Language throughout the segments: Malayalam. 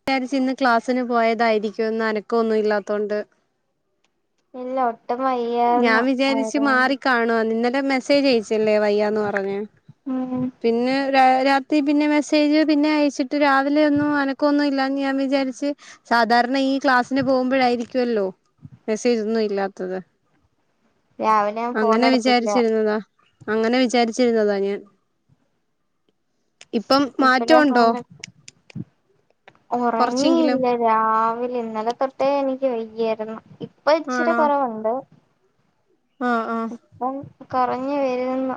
വിചാരിച്ച് ഇന്ന് ക്ലാസ്സിന് പോയതായിരിക്കും ഇന്ന്അനക്കൊ ഒന്നും ഇല്ലാത്തൊണ്ട് ഇല്ല ഒട്ടും വയ്യായിരുന്നു ആ കാണുവ നിന്നലെ മെസേജ് അയിച്ചല്ലേ വയ്യന്ന് പറഞ്ഞഞ് ഉം പിന്നെ രാത്രി പിന്നെ മെസ്സേജ് പിന്നെ അയച്ചിട്ട് രാവിലെ ഒന്നും അനക്കൊന്നുമ ഇല്ലാന്ന് ഞാൻ വിചാരിച്ച് സാധാരണ ഈ ക്ലാസ്സിന് പോകുമ്പോഴായിരിക്കുവല്ലോ മെസ്സേജ് ഒന്നും ഇല്ലാത്തത് രാവിലെ ഞാൻ ഫോൺ അങ്ങനെ എടുത്തില്ല വിചാരിച്ചിരുന്നതാ അങ്ങനെ വിചാരിച്ചിരുന്നതാ ഞാൻ ഇപ്പം ഇപ്പ ഞാൻ മാറ്റംുണ്ടോ ഫോൺ കൊറച്ചെങ്കിലും ഉറങ്ങിയില്ല രാവിലെ ഇന്നലെ തൊട്ടേ എനിക്ക് വയ്യായിരുന്നു ഇപ്പൊ ഇച്ചിരി ആണോ കുറവുണ്ട് ആഹ് ആഹ് കുറഞ്ഞ് വരന്ന്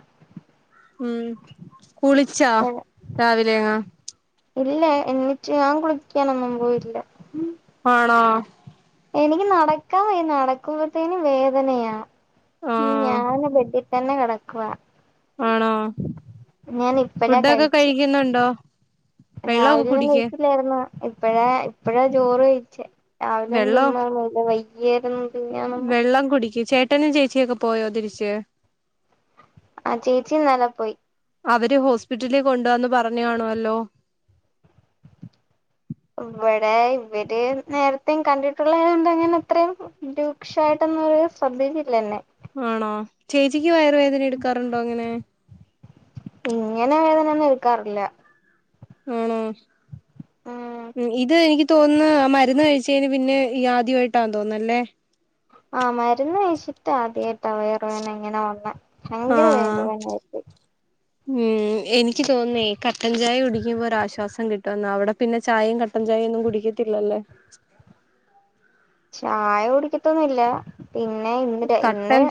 ഉം കുളിച്ചാ രാവിലെങ്ങ ഇല്ല എന്നിട്ട് ഞാൻ കുളിക്കാനൊന്നും പോയില്ല ആണോ എനിക്ക് നടക്കാൻ വയ്യ നടക്കുമ്പോഴത്തേും വേദനയാാണ് ആഹ് ഞാന് ബെഡിൽ തന്നെ കിടക്കവാ ആണോ ഞാൻ ഇപ്പഴാ കഴിച്ച ുന്നുണ്ടോ രാവില ഒന്നും കഴിച്ചില്ലായിരുന്നാ ഇപ്പഴാ ഇപ്പഴാ ചോറ് കഴിച്ചേ രാവിലെ ഒന്നും വെള്ളം തിന്നോ ഒന്നുല്ല വയ്യായിരുന്നു തിന്നാനൊന്നും വെള്ളം കുടിക്ക് ചെ ട്ടനും ചേച്ചിയൊക്കെ പോയോ തിരിച്ച് ആ ചേച്ചി ഇന്നലെ പോയി അവര് ഹോസ്പിറ്റലിൽ കൊണ്ടുുവന്നന്ന് പറഞ്ഞാണോല്ലോ ഇവിടെ ഇവര് നേരത്തെയും കണ്ടിട്ടുള്ളണ്ട് അങ്ങനെ അത്രയും രൂക്ഷായിട്ടന്നന്ന് പറയ സദ്്യതല്ലന്നെ ആണോ ചേച്ചിക്ക് വയറുവേദന എടുക്കാറുണ്ടോ അങ്ങനെ ഇങ്ങനെ വേദനന്നും നിൽക്കാറില്ല ആണോ ഉം ഇത് എനിക്ക് തോന്നന്ന് മരുന്ന് കഴിച്ചതിന് പിന്നെ ഈ ആദ്യമായിട്ടാ തോന്ന അല്ലേ ആഹ് മരുന്ന് കഴിച്ചിട്ട് ആദ്യമായിട്ടാ വേർ വേന ഇങ്ങനെ വന്ന ഭയങ്കര വേറ് വേനായി് ഉ ഉ എനിക്ക് തോന്നേ കറ്റൻചായ കുടിക്കുമ്പോ ഒരാശ്വാസം കിട്ടുമന്ന് അവിടെ പിന്നെ ചായയും ക കട്ടൻചായ ഒന്നും കുടിക്കത്തില്ലല്ലേ ചായ കുടിക്കത്തൊന്നില്ല പിന്നെ ഇന്ന് ഇന്ന് കട്ടൻ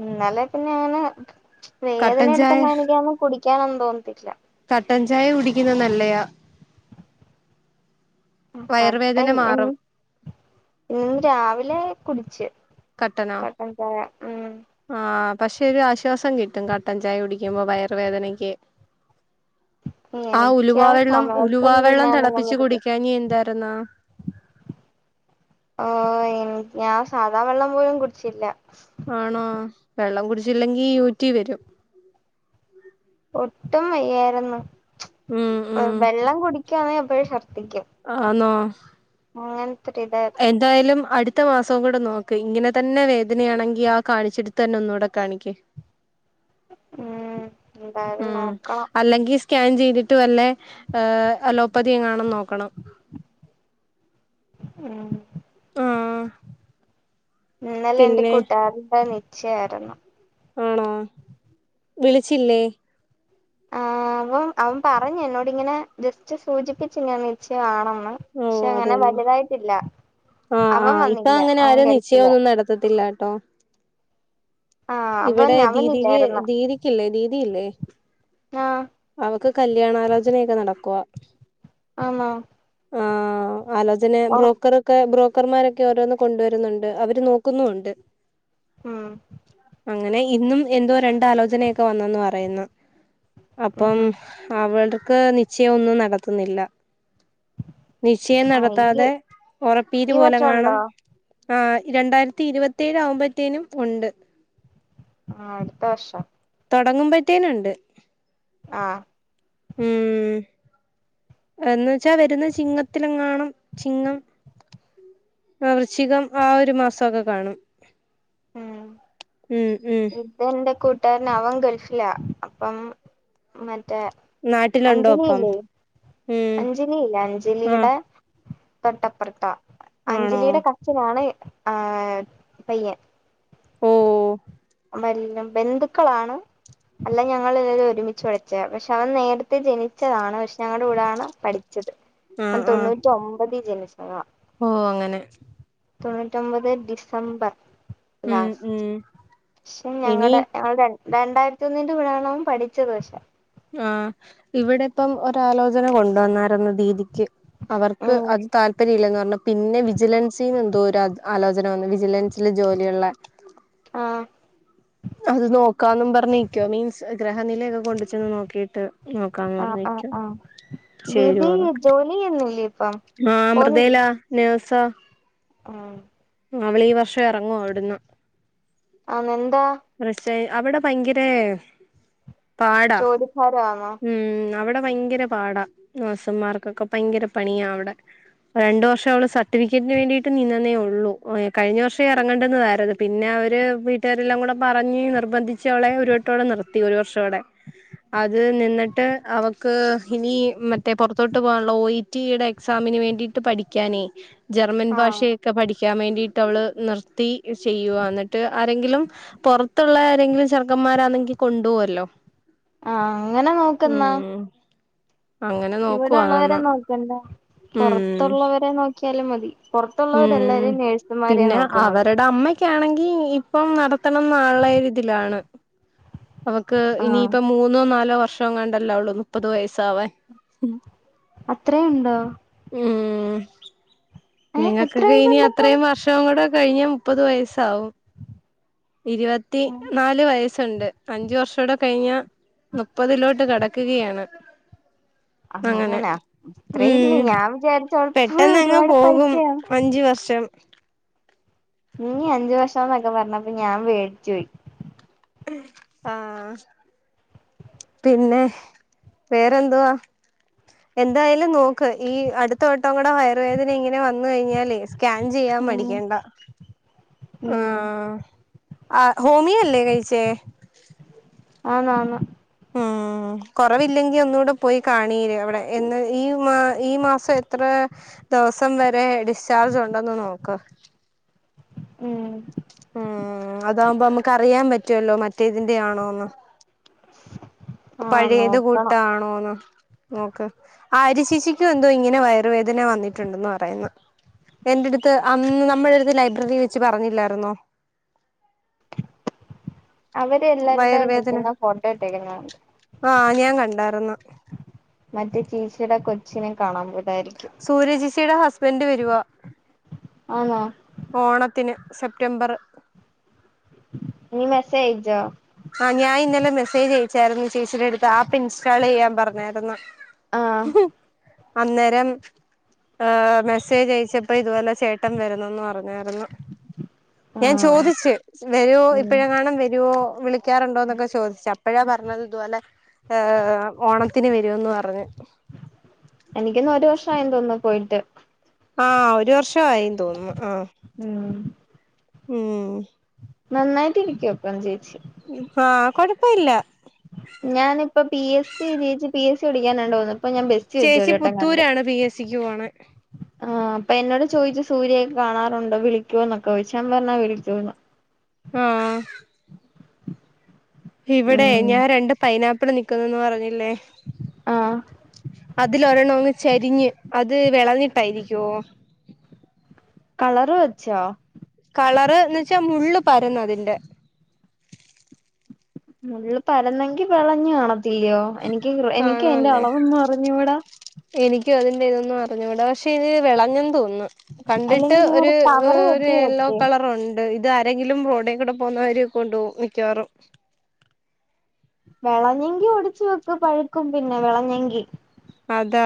ഇന്നലെ പിന്നെ അഞനെ വേദന കട്ടൻ ചായ എടുത്തനക്ക് ആുമ്പം കുട ിക്കാന എന്ത തോന്നട്ടില്ല കട്ടൻ ചായ കുടിക്കുന്നത് നല്ലയാാ വയർ വേദന കട്ടൻ മാറും. ഇന്ന് രാവിലെ കുടിച്ച് കട്ടനാ കട്ടൻ ചായ ഉം ആഹ് പക്ഷെ ഒരു ആശ്വാസം കിട്ടും കട്ടൻ ചായ കുടിക്കുമ്പോ വയർ വേദനയ്ക്ക്. ആ എനിക്കാ ഉലുവാ വെള്ളം ഉലുവാ സമയത്തൊന്നും വെള്ളം തിന്നാനൊന്നും തിളപ്പിച്ച് പറ്റത്തില്ല കുടിക്കാൻ എന്തായിരുന്നോ. ഓഹ് ഞാൻ സാദാ വെള്ളം പോലും കുടിച്ചില്ല. ആണോ വെള്ളം കുടിച്ചില്ലെങ്കിൽ യു റ്റി വരും. ഒട്ടും വയ്യായിരുന്നു, ഉം ഉം വെള്ളം കുടിക്കാണെ അപ്പോ ശർദ്ദിക്കും. ആണോ അങ്ങ എന്തായാലും അടു അടുത്ത മാസവും കൂടെ നോക്കും ഇങ്ങനെ തന്നെ വേദനയാണെങ്കി ആ കാണിച്ചെടുത്ത് തന്നെ ഒന്നൂടെ കാണിക്കും. ഉം എന്തായാലും ഉം നോക്കണം അല്ലെങ്കിൽ സ്കാൻ ചെയ്തിട്ട് വല്ലേ അലോപ്പതി എങ്ങാനും നോക്കണം. ഉം. ആഹ്. ഇന്നലെ എന്റെ പിന്നെ കൂട്ടുകാരന്റെ നിശ്ചയാരുന്നു. ആണോ വിളിച്ചില്ലേ. ആ അവൻ അവൻ പറഞ്ഞു എന്നോടിങ്ങനെ ജസ്റ്റ് സൂചിപ്പിച്ചിങ്ങനെ നിശ്ചയം ആണെന്ന്. ഓ അങ്ങനെ അതന്നെ വലുതായിട്ടില്ല. ആഹ് അവൻ ആഹ് ഇപ്പ വന്നില്ല അങ്ങനെ അവൻ ആരും ഗൾഫില. നിശ്ചയൊന്നും നടത്തത്തില്ലാട്ടോ ഇവിടെ ദീദിക അവനില്ലായിരുന്നോ ദീദിക്കല്ലേ ദീദിയില്ലേ. ആഹ്. അവൾക്ക് കല്യാണാലോചനയൊക്കെ നടക്കുവാ. ആന്നോ. ആഹ് ആലോചന ഒറ ബ്രോക്കർ ബ്രോക്കർമാരൊക്കെ ഓരോന്ന് കൊണ്ടുവരുന്നുണ്ട്, അവര് നോക്കുന്നുണ്ട്. ഉം അങ്ങനെ ഇന്നും എന്തോ രണ്ടലോചനയൊക്കെ വന്നന്ന് പറയുന്നു. ഉം അപ്പം ഉം അവിടക്ക് നിശ്ചയം ഒന്നും നടത്തുന്നില്ല. നിശ്ചയം ആഹ് ഈ നടത്താതെ ഉറപ്പീതു ഈ പോലെ വർഷം ഉണ്ടോ കാണാം. ആ രണ്ടായിരത്തി ഇരുപത്തിേഴ് ആവുമ്പത്തേനും ഉണ്ട് ആഹഹ് -അടുത്ത വർഷം തുടങ്ങുമ്പത്തെന്നുണ്ട് ആഹ് ഉം. എന്ന് വെച്ചാൽ വരുന്ന ചിങ്ങത്തിലെങ്ങാണം ചിങ്ങം വൃശ്ചികം ആ ഒരു മാസക്കെ കാണും. ഉം. ഉം ഉം. തഎന്ത് എന്റെ കൂട്ടുകാരന് അവൻ ഗൾഫിലാ അപ്പം മറ്റേ നാട്ടിലുണ്ടോ അപ്പം അഞ്ജലിയില്ലേ ഉം അഞ്ജലിയില്ലേ ആഹ് അഞ്ജലിയുടെ അങ്ങുതൊട്ടപ്പുറത്താഹ്, ആണോ അഞ്ജലിയുടെ കസിനാണ് പയ്യൻ, ഓഹ്. നല്ല ബന്ധുക്കളാണ് അല്ല ഞങ്ങളെല്ലാരും ഒരുമിച്ച് പഠിച്ചതാ. പക്ഷെ അവൻ നേരത്തെ ജനിച്ചതാണ് പക്ഷെ ഞങ്ങളുടെ കൂടെണ് പഠിച്ച ച്ചത്. തൊണ്ണൂറ്റി ഒമ്പതിൽ ജനിച്ചതാ. ഓ അങ്ങനെ. തൊണ്ണൂറ്റൊമ്പത് ഡിസംബർ ഉം ലാസ്റ്റ്. ഉം പക്ഷെ ഇനി ഞങ്ങടെ ഞങ്ങളുടെ രണ്ടായിരത്തി ഒന്നിന്റെ കൂടൊണ് അവൻ പഠിച്ചത് പക്ഷെ ആഹ് ഇവിടെ ഇപ്പം ഒരാലോചന കൊണ്ടുവന്നായിരുന്നു. രീതിക്ക് അവർക്ക് ഉം അത് താല്പര്യം ഇല്ലന്ന് പറഞ്ഞ പിന്നെ വിജിലൻസിനിന്ന് എന്തോ ഒരു ആലോചന വന്നു വിജിലൻസിൽ ജോലിയുള്ള ആഹ് അത് നോക്കാന്നും പറഞ്ഞിക്കോ മീൻസ് ഗ്രഹനിലയൊക്കെ കൊണ്ട ച്ചു നോക്കിയിട്ട് ന ആഹ് ആഹ് ആഹ് ദീദി [unintelligible] ജോലി ചെയ്യുന്നില്ലേ ഇപ്പം ആ മൃതയിലാ നഴ്സ ആഹ അവള് ഈ വർഷം ഇറങ്ങുവ അവിടുന്ന് അതെന്താ വൃഷേ അവിടെ ഭയങ്കരേ പാടാ ജോലിഭാരമാന്നോ ഉം അവിടെ ഭയങ്കര പാടാ നഴ്സന്മാർക്കൊക്കെ ഭയങ്കര പണിയാ അവിടെ രണ്ട് വർഷം അവള് സർട്ടിഫിക്കറ്റിന് വേണ്ടിയിട്ട് നിന്നേ ഉള്ളൂ കഴിഞ്ഞ വർഷേ ഇറങ്ങണ്ടെന്ന്തര പിന്നെ അവര് വീട്ടുകാരെല്ലാം കൂടെ പറഞ്ഞ് നിർബന്ധിച്ച് അവളെ ഒരു വട്ടോടെ നിർത്തി ഒരു വർഷോടെ അത് നിന്നിട്ട് അവക്ക് ഇനി മറ്റേ പുറത്തോട്ട് പോവാനുള്ള ഓയി റ്റിയുടെ എക്സാമിന് വേണ്ടീട്ട് പഠിക്കാനേ ജർമ്മൻ ആഹ് ഭാഷയൊക്കെ പഠിക്കാൻ വേണ്ടിയിട്ട് അവള് നിർത്തി ചെയ്യുവാ എന്നട്ട് ആരെങ്കിലും പൊറത്തുള്ള ആരെങ്കിലും ചെർക്കന്മാരാന്നെങ്കി കൊണ്ടുപോവല്ലോ ആഹ് അങ്ങനെ നോക്ക് ന്നാ. ഉം അങ്ങനെ നോക്കുവാ ഇവിടെള്ളവരെ നന്ന് നോ ക്കണ്ട ഉം പൊറത്തുള്ളവരെ നോക്കിയാലും മതി. പൊറത്തുള്ളവര് ഉം എല്ലാവരെയും നേഴ്സുമാരെയാ നോക്കുന്നത്. ക്ക്യാണെങ്കി ഇപ്പം നടത്തണംന്നാള്ളരി ഇതിലാണ്. അവക്ക് ആഹ് ഇനിയിപ്പ മൂന്നോ നാലോ വർഷോങ്ങാണ്ടല്ലോള്ളു മുപ്പത് വയസാവാൻ അത്രേയുണ്ടോ ഉം ഏഹ് എത്ര നിങ്ങക്കൊക്കെ ഇനി വയസുണ്ടപ്പം അത്രയും വർഷവും കൂടെ കഴിഞ്ഞ മുപ്പത് വയസ്സാവും ഇരുപത്തി നാല് വയസ്സുണ്ട് അഞ്ചു വർഷോടെ കഴിഞ്ഞ നുപ്പതിലോട്ട് കടക്കുകയാണ്. അങ്ങനെ അങ്ങനാ ഇത്രയില്ലേ ഉം ഞാൻ വിചാരിച്ചോളപ്പ ഒരുപാട് പഠിച്ചെയാന്ന്. അഞ്ച് വർഷം ഇനി അഞ്ചു വർഷം ന്നൊക്കെ പറഞ്ഞപ്പൊ ഞാൻ പേടിച്ചു പോയി ആഹ്. പിന്നെ വേരെന്തുവാ? എന്തായാലും നോക്ക് ഈ അടുത്തവട്ടം കൂടെ വയറുവേദന ഇങ്ങനെ വന്നു കഴിഞ്ഞാലേ സ്‌ക്യാൻ ചെയ്യാൻ മടിക്കണ്ട ഉം ആഹ്. അ ഹോമിയല്ലേ കഴിച്ചേ ആന്ന് ആന്ന്. ഉം കൊറവില്ലെങ്കി ഒന്നുകൂടെ പോയി കാണീര്. അവിടെ എന്ന് ഈ മാ ഈ മാസ എത്ര ദിവസം വരെ ഡിസ്ചാർജ് ഉണ്ടന്ന് നോക്ക് ഉം ഉം അതാവുമ്പോ നമുക്ക് അറിയാൻ പറ്റുവല്ലോ മറ്റേതിന്റെ ആണോന്ന് [inaudible] പഴയത് നോക്കണം കൂട്ടാണോന്ന് നോക്ക്. ആര്യചേച്ചിക്കും എന്തോ ഇങ്ങനെ വയറുവേദന വന്നിട്ടുണ്ട്ന്ന് പറയുന്ന്. എന്റെടുത്ത് അന്ന് നമ്മടെ അടുത്ത് ലൈബ്രറി വെച്ച് പറഞ്ഞില്ലായിരുന്നോ? അവര് എല്ലാരുടെ വയറുവേദന നിക്കുന്ന ഫോട്ടോ ഇട്ടേക്കുന്നെ. ആഹ് ഞാൻ കണ്ടായിരുന്നു മറ്റേ ചേച്ചിടെ കൊ ച്ചിനെ കാണാൻ പോയതായിരി സൂര്യചേച്ചിടെ ഹസ്ബൻഡ് വെരുവാ. ആന്നോ. ഓണത്തിന് സെപ്റ്റംബർ നീ മെസേ അയച്ചോ? ആഹ് ഞാഇന്നലെ മെസ്സേജ് അയച്ചായിരുന്നു ചേച്ചിടെ അടുത്ത് ആപ്പ് ഇൻസ്റ്റാൾ ചെയ്യാൻ പറഞ്ഞായ്ര്ന്ന്. ആഹ് അന്നേരം ഏഹ് മെസ്സേജ് അയച്ചപ്പ ഇതുപോലെ ചേട്ടൻ വരുന്നെന്ന് പറഞ്ഞായിരുന്നു. ഞാൻ ആഹ് ചോദിച്ച് വരുവോ ഉം ഇപ്പോഴെങ്ങാണം വരുവോ വിളി ക്കാറുണ്ടോ ന്നൊക്കെ ചോദിച്ചു അപ്പഴാ പറഞ്ഞത് ഇതുപോലെ ഏഹ് ഓണത്തിന് വരുമെന്ന് പറഞ്ഞ്. എനിക്കൊ ന്നു ഒരു വർഷായെന്ന് തോന്നുന്നു പോയിട്ട്. ആഹ് ഒരു വർഷവായിന്ന് തോന്നുന്ന്. ആഹ് ഉം ഉം നന്നായിട്ട് ഇരിക്കും അപ്പം ചേച്ചി ഇപ്പൊ കൊഴപ്പ ഇല്ല. ഞാനിപ്പം പി എസ് സി ജയിച്ച് പി എസ് സി കുടിക്കാനണ്ടോകുന്നു അപ്പൊ ഞാൻ ബ ചേച്ചി പുത്തൂരാണ് പി എസ് സിക്ക് പോണ്. ആഹ് അപ്പൊ എന്നോട് ചോദിച്ചു സൂര്യക്കെ കാണാറുണ്ടോ വിളിക്കോ എന്നൊക്കെ ചോദിച്ചു ഞാൻ പറഞ്ഞാ വിളിക്കൂന്ന്. ആഹ്. ഇവിടെ ഉം ഞാൻ രണ്ട് പൈനാപ്പിൾ നിക്കുന്നുന്ന് പറഞ്ഞില്ലേ. ആഹ് അതില് ഒരെണ്ണം അങ്ങ് ചരിഞ്ഞ് അത് വിളഞ്ഞിട്ടായിരിക്കുവോ? കളറ് വെച്ചോ? കളർ എന്ന് വെച്ചാ മുള്ള് പരന്ന് അതിന്റെ. മുള്ള് പരന്നെങ്കി വെളഞ്ഞു കാണത്തില്ലയോ എനിക്ക് എനിക്ക് അതിന്റെ കാണാല്ലേ അളവെന്നും അറിഞ്ഞുടാ. എനിക്കും അതിന്റെ ഇതൊന്നും അറിഞ്ഞു കൂടാ പക്ഷെ ഇനി വിളഞ്ഞെന്ന് തോന്നുന്നു. കണ്ടിട്ട് അല്ലെങ്കിൽ നീ ഒരു കവറ് ഒരു കെട്ടി യെല്ലോ വെക്ക് കളറുണ്ട്. ഇത് ആരെങ്കിലും റോഡേ കൂടെ പോകുന്നവര് കൊണ്ട് പോകും മിക്കവാറും. വിളഞ്ഞെങ്കി ഒടിച്ചു വെക്ക് പഴുക്കും പിന്നെ വിളഞ്ഞെങ്കി. അതാ.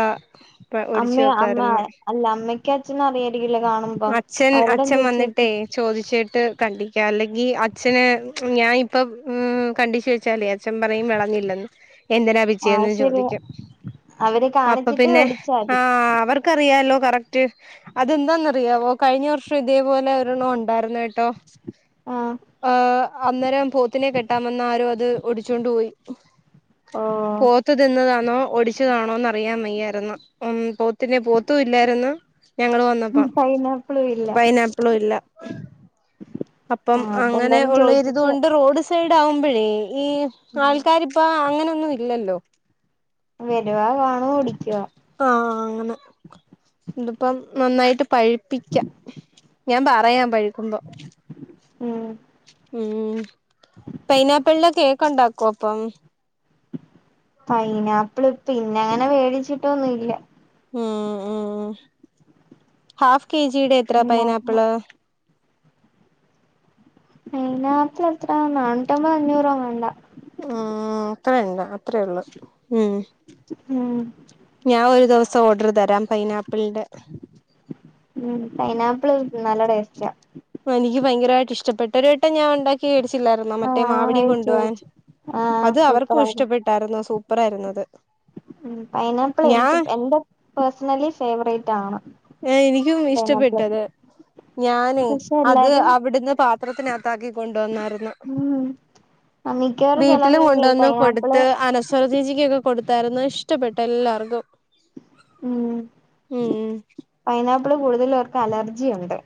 ഒടിച്ചു അമ്മ അമ്മ വെക്കായിരുന്നു അല്ല അമ്മയ്ക്കും അച്ഛനും അറിയായിരിക്കുല്ലോ കാണുമ്പോ? അച്ഛൻ അച്ഛൻ വന്നിട്ടേ. ചോദിച്ചിട്ട് കണ്ടിക്ക അല്ലെങ്കിൽ അച്ഛന് ഞാൻ ഇപ്പം ഉം കണ്ടിച്ചു വെച്ചാലേ. അച്ഛൻ പറയും വെളഞ്ഞില്ലെന്ന് എന്തിനാ യിപ്പം. ആഹ് പിച്ചിയേന്ന് ശരിയാ ചോദിക്കും അവര് അപ്പൊ കാണിച്ചിട്ട് പിന്നെ ഒടിച്ചാ മതി ആഹ് അവർ ക്കറിയാലോ കറകട് അതെന്താന്ന് നി അറിയാവോ കഴിഞ്ഞ വർഷം ഇതേപോലെ ഒരെണ്ണം ഉണ്ടായിരുന്നു കേട്ടോ. ആഹ് ആഹ് അന്നേരം പോത്തിനെ കെട്ടാ വന്ന ആരോ അത്. ഒടിച്ചൊണ്ട് പോയി ഓഹ് പോത്ത് തിന്നതാണോ ഒടിച്ചതാണോന്ന്. അറിയാൻ വയ്യായിരുന്നു ഉം പോത്തിനെ പോത്തും ഇല്ലായിരുന്നു ഞങ്ങള് വന്നപ്പം. പൈനാപ്പിളും. ഇല്ല പൈനാപ്പിളും ഇല്ല. അപ്പം ആഹ് അങ്ങനെ അതെന്തായാലും ഉള്ളരിത് ചോയിച്ചിട്ട് കൊണ്ട് റോഡ് സൈഡ് ആവുമ്പോഴേ ഈ ഉം ആൾക്കാര്. ഇപ്പ അങ്ങനെയൊന്നും ഇല്ലല്ലോ. വരുവാ കാണുക ഒടിക്കുവാ. ആഹ് അങ്ങനെ ഇതിപ്പം നന്നായിട്ട്. പഴുപ്പിക്കാം ഞാൻ പറയാം പഴു കുന്തം ഉം ഉം പൈനാപ്പിളിന്റെ കേക്ക് ഉണ്ടാക്കാം. കോപ്പം. പൈനാപ്പിള് പിന്നെ അങ്ങനെ മേടിച്ചിട്ടൊന്നുമില്ല. ഉം ഉം ഹാഫ് കെ ജിയുടെ എത്ര ഉണ്ടാക്കണം പൈനാപ്പിള്. പൈനാപ്പിള് എത്ര നാനൂറ്റമ്പത് അഞ്ഞൂറോ അങ്ങാണ്ടാ. ഉം അത്രയുണ്ടോ അത്രേ ഉള്ളു ഉം. ഉം. ഞാൻ ഒരു ദിവസം ഓർഡർ തരാം പൈനാപ്പിളിന്റെ. ഉം പൈനാപ്പിള് നല്ല ടേസ്റ്റാ. എനിക്ക് ഭയങ്കരമായിട്ട് ഇഷ്ടപ്പെട്ട് ഒരൂ പണ്ട് ഞാൻ ഉണ്ടാക്കി മേടിച്ചില്ലായിരുന്നോ മറ്റേ ആഹ് മാവിടി മേടിച്ചു കൊണ്ടുപോവാൻ മേടിച്ചു ആഹ് അത് അവർക്കും സൂപ്പറായിരുന്നു ഇഷ്ടപ്പെ ട്ടാരുന്നു സൂപ്പർ ആയിരുന്നു അത്. ഉം പൈനാപ്പിൾ എനിക്ക് ഞാൻ എന്റെ പേഴ്സണലി ഫേവറേറ്റ് ആണ്. എനിക്കും ഇഷ്ടപ്പെട്ട് പൈനാപ്പിള് അത്. ഞാനേ പക്ഷെ അത് എല്ലാരും അവിടുന്ന് പാത്രത്തിനകത്ത് ആക്കി കൊണ്ട് വന്നാരുന്നു. ഉം മിക്കവാറും വീട്ടില് ചിലർക്കൊക്കെ ഈ കൊണ്ടുവന്ന് പൈനാപ്പിള് കൊടുത്ത് അനസ് സ്വരചേച്ചിക്ക് ഒക്കെ കൊടുത്തായിരുന്നു ഇഷ്ടപ്പെട്ട് എല്ലാർക്കും. ഉം ഉം. പൈനാപ്പിള് കൂടുതലേർക്ക് അലർജിയുണ്ട്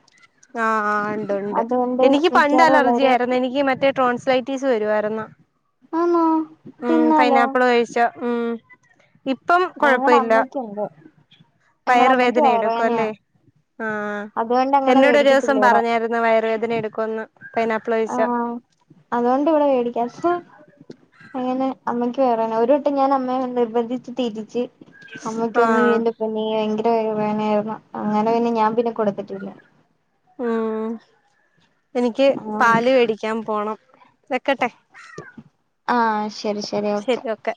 ആഹ് ആഹ് ഇണ്ട് ഒണ്ട് അതുകൊണ്ട് എനിക്ക് പണ്ട് മിക്കവാറും അലർജി ഉള്ളവര് ആയിരുന്നു എനിക്ക് മറ്റേ ട്രോൻസ്ലേ റ്റിസ് വരുവര്ന്ന് ആന്നോ ഉം തിന്നാലോ പൈനാപ്പിൾ കഴിച്ച ഉം ഇപ്പോ കൊഴപ്പ ഞങ്ങടെ ഇല്ല അമ്മയ്ക്കുണ്ട് ഞങ്ങടെ പയർ അമ്മയ്ക്ക് വേദന വയറുവേനയാ എടുക്കല്ലേ ആഹ് അതുകൊണ്ട് അങ്ങനെ എന്നോട് ഒരു ദിവസം മേടിക്കത്തില്ല ഇവിടെ പറഞ്ഞായിരുന്നു വയറ് വേദന എടുക്കുന്ന് പൈനാപ്പിൾ കയിച്ച ആഹ് അതുകൊണ്ട് ഇവിടെ മേടിക്കാ സു അങ്ങനെ അമ്മയ്ക്ക് വയറുവേദന ഒരു വട്ടം ഞാൻ അമ്മ നിർബന്ധിച്ച് തിറ്റിച്ച് അമ്മക്കന്ന ആഹ് എന്റെ പൊന്നേ ഭയ്ങ്കര വയറ് വേനായിരുന്നു അങ്ങനെ പിന്നെ ഞാൻ പിന്നെ കൊടുത്തിട്ടില്ല ഉം എനിക്ക് പാല് മേടിക്കാൻ പോണം വെക്കെട്ടെ ആഹ് ശെരി ശ് ശെരി ഒക്കെ